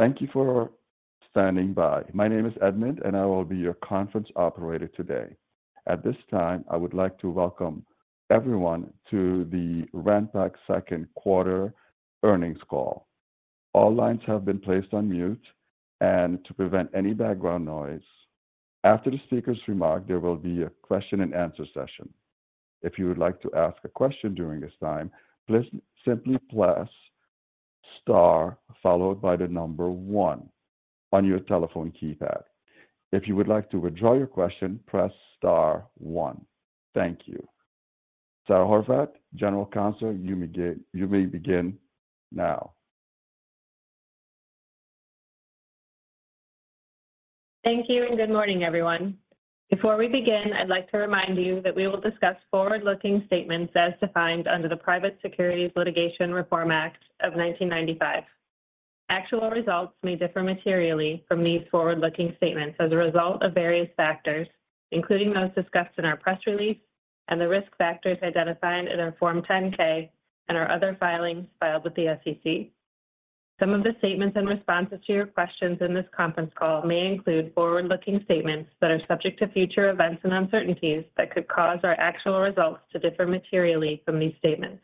Thank you for standing by. My name is Edmund, and I will be your conference operator today. At this time, I would like to welcome everyone to the Ranpak second quarter earnings call. All lines have been placed on mute and to prevent any background noise. After the speaker's remark, there will be a question and answer session. If you would like to ask a question during this time, please simply press star followed by 1 on your telephone keypad. If you would like to withdraw your question, press star 1. Thank you. Sara Horvath, General Counsel, you may begin now. Thank you. Good morning, everyone. Before we begin, I'd like to remind you that we will discuss forward-looking statements as defined under the Private Securities Litigation Reform Act of 1995. Actual results may differ materially from these forward-looking statements as a result of various factors, including those discussed in our press release and the risk factors identified in our Form 10-K and our other filings filed with the SEC. Some of the statements and responses to your questions in this conference call may include forward-looking statements that are subject to future events and uncertainties that could cause our actual results to differ materially from these statements.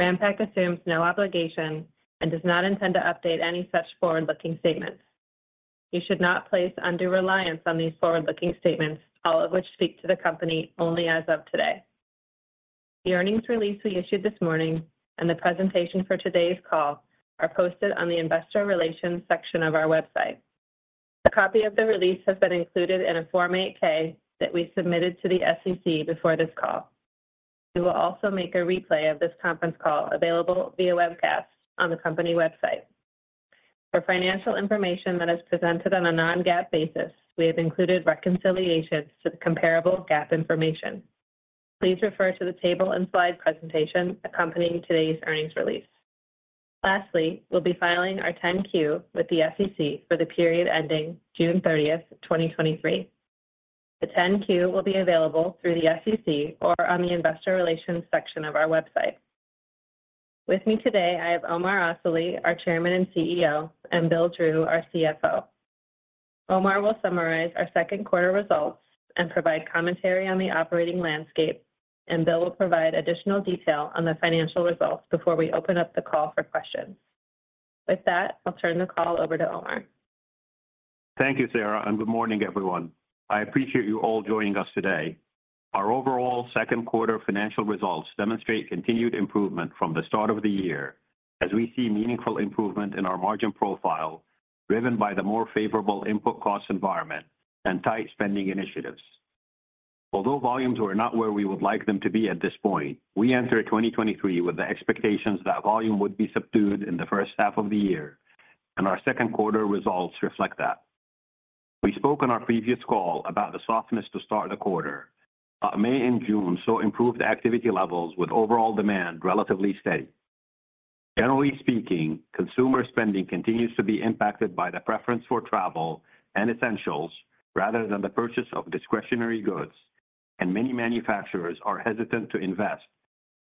Ranpak assumes no obligation and does not intend to update any such forward-looking statements. You should not place undue reliance on these forward-looking statements, all of which speak to the company only as of today. The earnings release we issued this morning and the presentation for today's call are posted on the investor relations section of our website. A copy of the release has been included in a Form 8-K that we submitted to the SEC before this call. We will also make a replay of this conference call available via webcast on the company website. For financial information that is presented on a non-GAAP basis, we have included reconciliations to the comparable GAAP information. Please refer to the table and slide presentation accompanying today's earnings release. Lastly, we'll be filing our 10-Q with the SEC for the period ending June 30th, 2023. The 10-Q will be available through the SEC or on the investor relations section of our website. With me today, I have Omar Asali, our Chairman and CEO, and Bill Drew, our CFO. Omar will summarize our second quarter results and provide commentary on the operating landscape, and Bill will provide additional detail on the financial results before we open up the call for questions. With that, I'll turn the call over to Omar. Thank you, Sara, and good morning, everyone. I appreciate you all joining us today. Our overall second quarter financial results demonstrate continued improvement from the start of the year, as we see meaningful improvement in our margin profile, driven by the more favorable input cost environment and tight spending initiatives. Although volumes were not where we would like them to be at this point, we entered 2023 with the expectations that volume would be subdued in the first half of the year, and our second quarter results reflect that. We spoke on our previous call about the softness to start the quarter, but May and June saw improved activity levels with overall demand relatively steady. Generally speaking, consumer spending continues to be impacted by the preference for travel and essentials rather than the purchase of discretionary goods, and many manufacturers are hesitant to invest,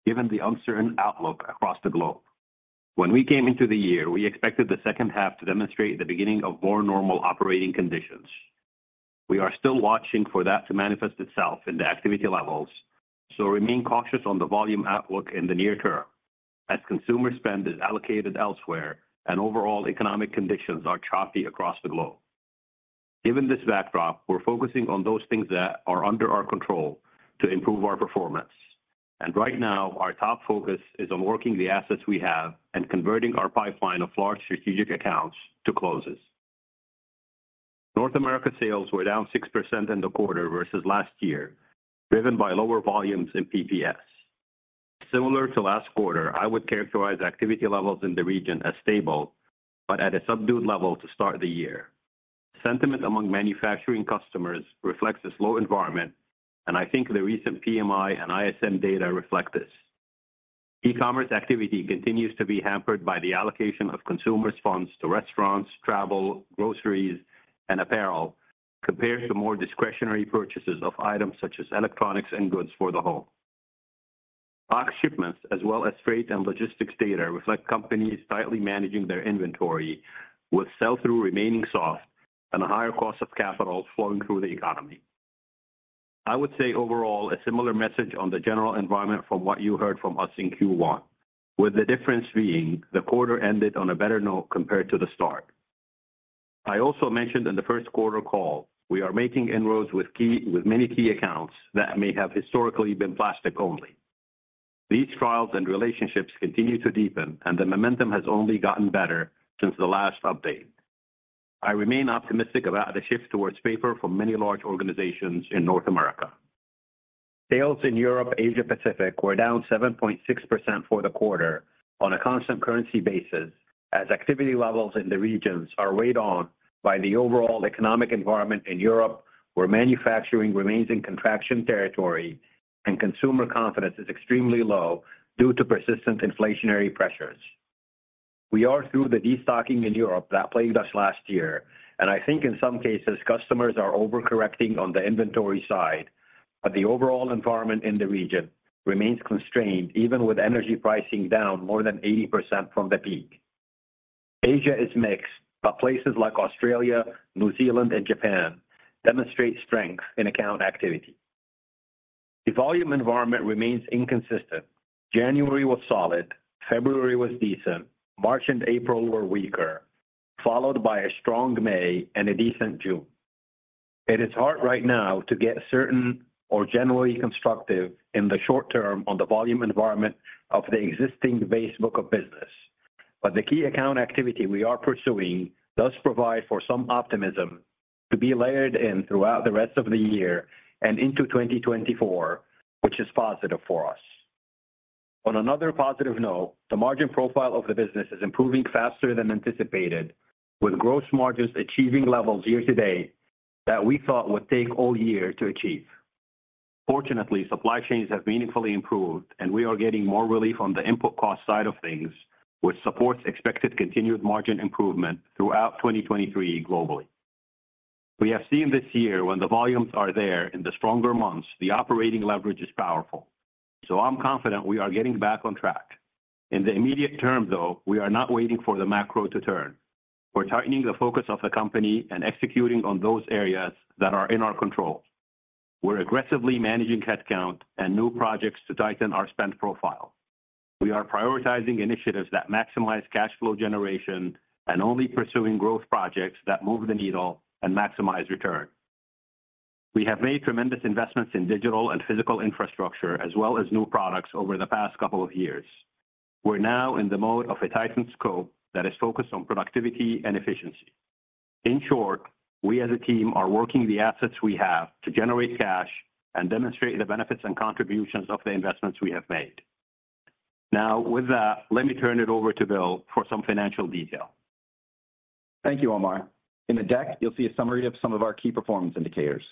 given the uncertain outlook across the globe. When we came into the year, we expected the second half to demonstrate the beginning of more normal operating conditions. We are still watching for that to manifest itself in the activity levels, so remain cautious on the volume outlook in the near term, as consumer spend is allocated elsewhere and overall economic conditions are choppy across the globe. Given this backdrop, we're focusing on those things that are under our control to improve our performance, and right now, our top focus is on working the assets we have and converting our pipeline of large strategic accounts to closes. North America sales were down 6% in the quarter versus last year, driven by lower volumes in PPS. Similar to last quarter, I would characterize activity levels in the region as stable, but at a subdued level to start the year. Sentiment among manufacturing customers reflects a slow environment, and I think the recent PMI and ISM data reflect this. E-commerce activity continues to be hampered by the allocation of consumers' funds to restaurants, travel, groceries, and apparel, compared to more discretionary purchases of items such as electronics and goods for the home. Box shipments, as well as freight and logistics data, reflect companies tightly managing their inventory, with sell-through remaining soft and a higher cost of capital flowing through the economy. I would say overall, a similar message on the general environment from what you heard from us in Q1, with the difference being the quarter ended on a better note compared to the start. I also mentioned in the first quarter call, we are making inroads with many key accounts that may have historically been plastic only. These trials and relationships continue to deepen. The momentum has only gotten better since the last update. I remain optimistic about the shift towards paper for many large organizations in North America. Sales in Europe, Asia Pacific, were down 7.6% for the quarter on a constant currency basis, as activity levels in the regions are weighed on by the overall economic environment in Europe, where manufacturing remains in contraction territory and consumer confidence is extremely low due to persistent inflationary pressures. We are through the destocking in Europe that plagued us last year, and I think in some cases, customers are overcorrecting on the inventory side. The overall environment in the region remains constrained, even with energy pricing down more than 80% from the peak. Asia is mixed, but places like Australia, New Zealand, and Japan demonstrate strength in account activity. The volume environment remains inconsistent. January was solid, February was decent, March and April were weaker, followed by a strong May and a decent June. It is hard right now to get certain or generally constructive in the short term on the volume environment of the existing base book of business. The key account activity we are pursuing does provide for some optimism to be layered in throughout the rest of the year and into 2024, which is positive for us. On another positive note, the margin profile of the business is improving faster than anticipated, with gross margins achieving levels year to date that we thought would take all year to achieve. Fortunately, supply chains have meaningfully improved, and we are getting more relief on the input cost side of things, which supports expected continued margin improvement throughout 2023 globally. We have seen this year when the volumes are there in the stronger months, the operating leverage is powerful. I'm confident we are getting back on track. In the immediate term, though, we are not waiting for the macro to turn. We're tightening the focus of the company and executing on those areas that are in our control. We're aggressively managing head count and new projects to tighten our spend profile. We are prioritizing initiatives that maximize cash flow generation and only pursuing growth projects that move the needle and maximize return. We have made tremendous investments in digital and physical infrastructure, as well as new products over the past couple of years. We're now in the mode of a tightened scope that is focused on productivity and efficiency. In short, we as a team, are working the assets we have to generate cash and demonstrate the benefits and contributions of the investments we have made. Now, with that, let me turn it over to Bill for some financial detail. Thank you, Omar. In the deck, you'll see a summary of some of our key performance indicators.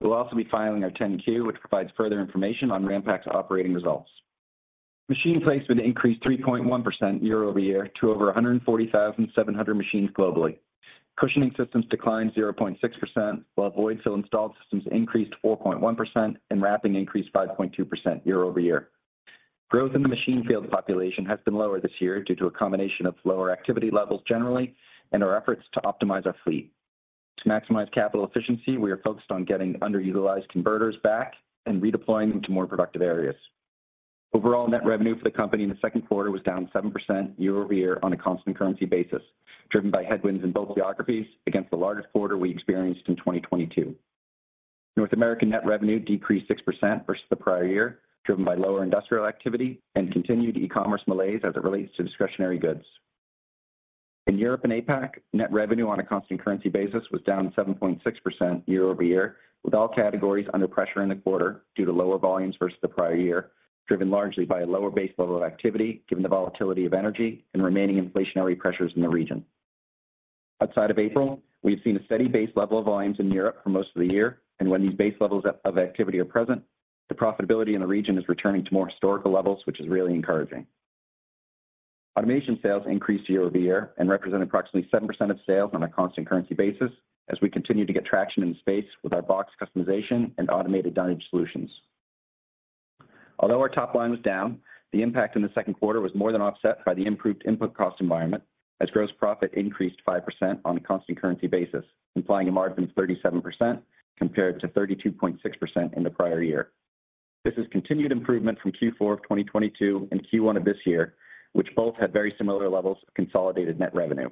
We'll also be filing our 10-Q, which provides further information on Ranpak's operating results. Machine placement increased 3.1% year-over-year to over 140,700 machines globally. Cushioning systems declined 0.6%, while void-fill installed systems increased 4.1%, and wrapping increased 5.2% year-over-year. Growth in the machine field population has been lower this year due to a combination of lower activity levels generally and our efforts to optimize our fleet. To maximize capital efficiency, we are focused on getting underutilized converters back and redeploying them to more productive areas. Overall, net revenue for the company in the second quarter was down 7% year-over-year on a constant currency basis, driven by headwinds in both geographies against the largest quarter we experienced in 2022. North America net revenue decreased 6% versus the prior year, driven by lower industrial activity and continued e-commerce malaise as it relates to discretionary goods. In Europe and APAC, net revenue on a constant currency basis was down 7.6% year-over-year, with all categories under pressure in the quarter due to lower volumes versus the prior year, driven largely by a lower base level of activity, given the volatility of energy and remaining inflationary pressures in the region. Outside of April, we've seen a steady base level of volumes in Europe for most of the year, and when these base levels of activity are present, the profitability in the region is returning to more historical levels, which is really encouraging. Automation sales increased year-over-year and represent approximately 7% of sales on a constant currency basis as we continue to get traction in the space with our box customization and automated dunnage solutions. Although our top line was down, the impact in the second quarter was more than offset by the improved input cost environment, as gross profit increased 5% on a constant currency basis, implying a margin of 37% compared to 32.6% in the prior year. This is continued improvement from Q4 of 2022 and Q1 of this year, which both had very similar levels of consolidated net revenue.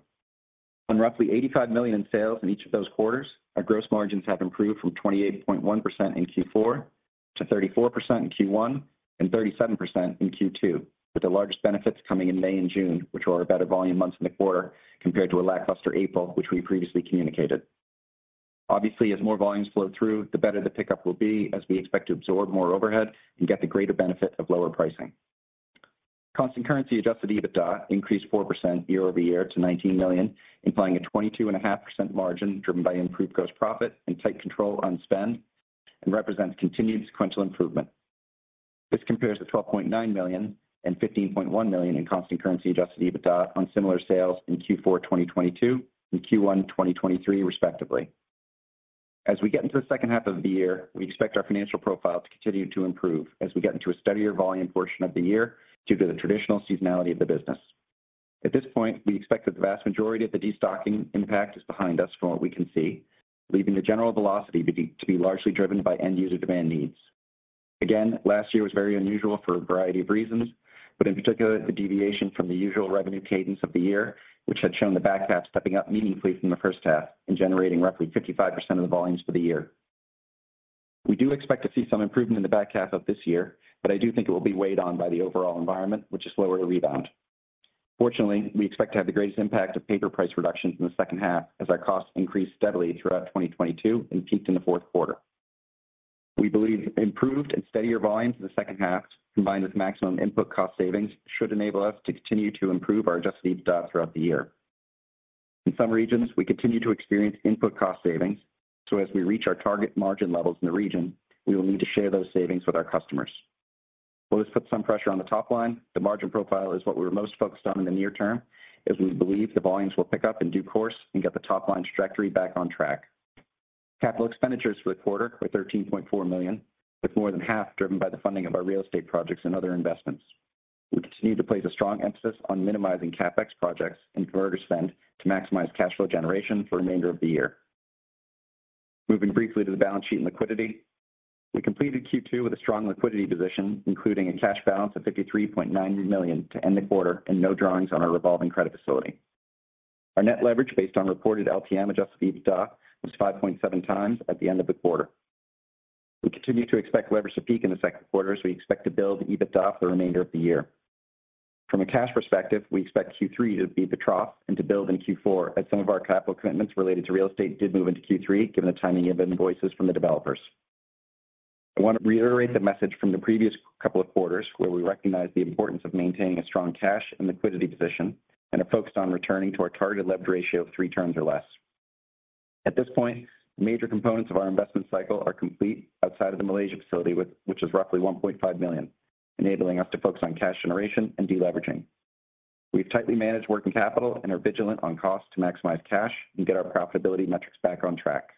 On roughly $85 million in sales in each of those quarters, our gross margins have improved from 28.1% in Q4 to 34% in Q1, and 37% in Q2, with the largest benefits coming in May and June, which were our better volume months in the quarter, compared to a lackluster April, which we previously communicated. Obviously, as more volumes flow through, the better the pickup will be as we expect to absorb more overhead and get the greater benefit of lower pricing. Constant currency adjusted EBITDA increased 4% year-over-year to $19 million, implying a 22.5% margin, driven by improved gross profit and tight control on spend, and represents continued sequential improvement. This compares to $12.9 million and $15.1 million in constant currency adjusted EBITDA on similar sales in Q4 2022 and Q1 2023, respectively. As we get into the second half of the year, we expect our financial profile to continue to improve as we get into a steadier volume portion of the year due to the traditional seasonality of the business. At this point, we expect that the vast majority of the destocking impact is behind us from what we can see, leaving the general velocity to be largely driven by end user demand needs. Again, last year was very unusual for a variety of reasons, but in particular, the deviation from the usual revenue cadence of the year, which had shown the back half stepping up meaningfully from the first half and generating roughly 55% of the volumes for the year. We do expect to see some improvement in the back half of this year, but I do think it will be weighed on by the overall environment, which is slower to rebound. Fortunately, we expect to have the greatest impact of paper price reductions in the second half as our costs increased steadily throughout 2022 and peaked in the fourth quarter. We believe improved and steadier volumes in the second half, combined with maximum input cost savings, should enable us to continue to improve our adjusted EBITDA throughout the year. In some regions, we continue to experience input cost savings, so as we reach our target margin levels in the region, we will need to share those savings with our customers.... This puts some pressure on the top line. The margin profile is what we're most focused on in the near term, as we believe the volumes will pick up in due course and get the top-line trajectory back on track. Capital expenditures for the quarter were $13.4 million, with more than half driven by the funding of our real estate projects and other investments. We continue to place a strong emphasis on minimizing CapEx projects and converter spend to maximize cash flow generation for the remainder of the year. Moving briefly to the balance sheet and liquidity. We completed Q2 with a strong liquidity position, including a cash balance of $53.9 million to end the quarter and no drawings on our revolving credit facility. Our net leverage, based on reported LTM adjusted EBITDA, was 5.7x at the end of the quarter. We continue to expect leverage to peak in the second quarter, as we expect to build EBITDA for the remainder of the year. From a cash perspective, we expect Q3 to be the trough and to build in Q4, as some of our capital commitments related to real estate did move into Q3, given the timing of invoices from the developers. I want to reiterate the message from the previous couple of quarters, where we recognized the importance of maintaining a strong cash and liquidity position and are focused on returning to our targeted levered ratio of 3 turns or less. At this point, the major components of our investment cycle are complete outside of the Malaysia facility, which is roughly $1.5 million, enabling us to focus on cash generation and deleveraging. We've tightly managed working capital and are vigilant on cost to maximize cash and get our profitability metrics back on track.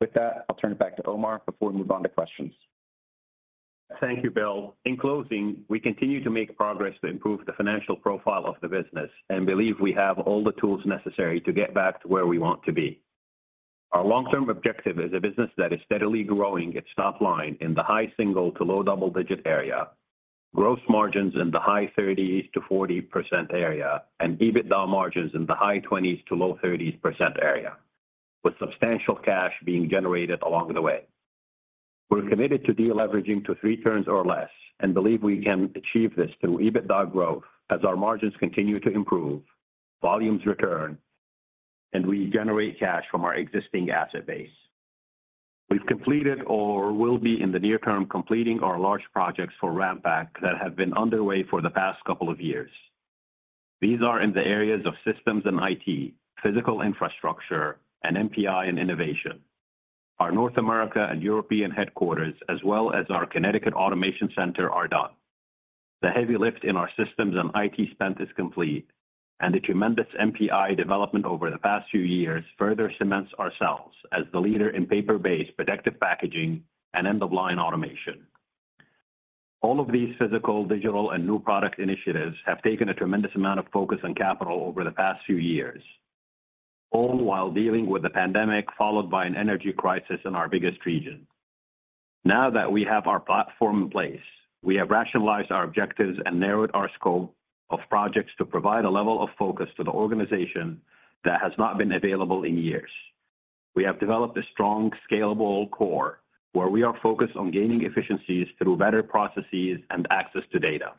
With that, I'll turn it back to Omar before we move on to questions. Thank you, Bill. In closing, we continue to make progress to improve the financial profile of the business and believe we have all the tools necessary to get back to where we want to be. Our long-term objective is a business that is steadily growing its top line in the high single- to low double-digit area, gross margins in the high 30s-40% area, and EBITDA margins in the high 20s-low 30s% area, with substantial cash being generated along the way. We're committed to deleveraging to 3 turns or less, and believe we can achieve this through EBITDA growth as our margins continue to improve, volumes return, and we generate cash from our existing asset base. We've completed or will be, in the near term, completing our large projects for Ranpak that have been underway for the past couple of years. These are in the areas of systems and IT, physical infrastructure, and NPI and innovation. Our North America and European headquarters, as well as our Connecticut automation center, are done. The heavy lift in our systems and IT spend is complete, and the tremendous NPI development over the past few years further cements ourselves as the leader in paper-based protective packaging and end-of-line automation. All of these physical, digital, and new product initiatives have taken a tremendous amount of focus and capital over the past few years, all while dealing with the pandemic, followed by an energy crisis in our biggest region. Now that we have our platform in place, we have rationalized our objectives and narrowed our scope of projects to provide a level of focus to the organization that has not been available in years. We have developed a strong, scalable core, where we are focused on gaining efficiencies through better processes and access to data.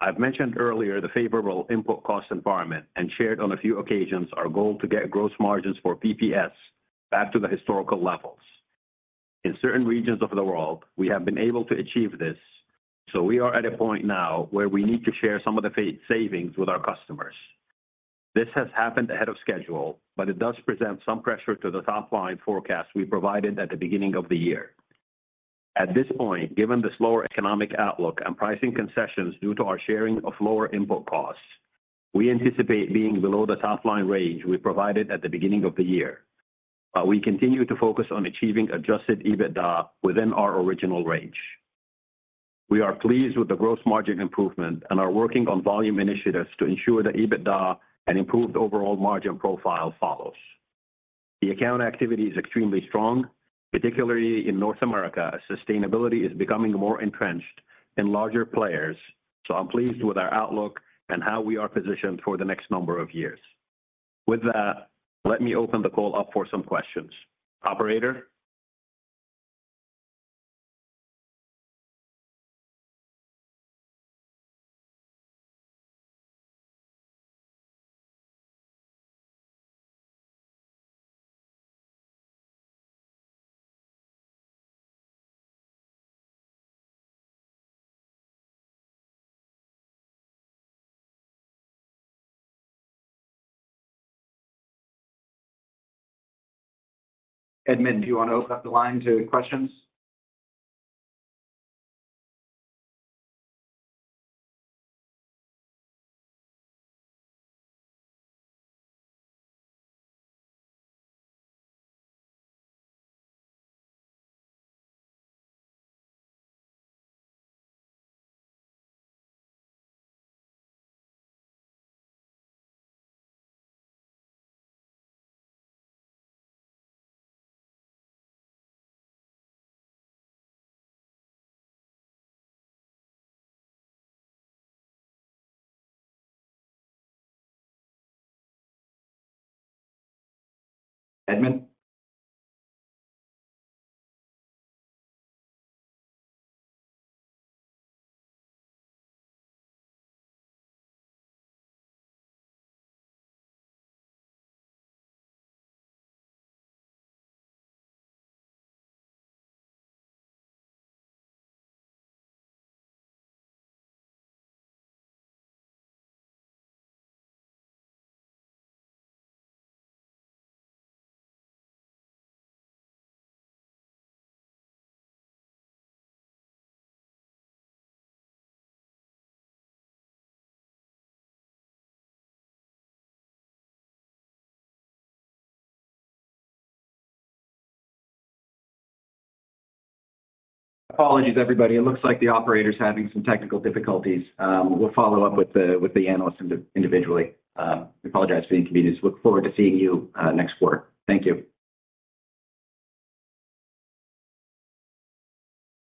I've mentioned earlier the favorable input cost environment and shared on a few occasions our goal to get gross margins for PPS back to the historical levels. In certain regions of the world, we have been able to achieve this, so we are at a point now where we need to share some of the savings with our customers. This has happened ahead of schedule, but it does present some pressure to the top-line forecast we provided at the beginning of the year. At this point, given the slower economic outlook and pricing concessions due to our sharing of lower input costs, we anticipate being below the top-line range we provided at the beginning of the year. We continue to focus on achieving adjusted EBITDA within our original range. We are pleased with the gross margin improvement and are working on volume initiatives to ensure that EBITDA and improved overall margin profile follows. The account activity is extremely strong, particularly in North America, as sustainability is becoming more entrenched in larger players. I'm pleased with our outlook and how we are positioned for the next number of years. With that, let me open the call up for some questions. Operator? Admin, do you want to open up the line to questions? Admin? Apologies, everybody. It looks like the operator's having some technical difficulties. We'll follow up with the, with the analysts individually. We apologize for the inconvenience. Look forward to seeing you next quarter. Thank you.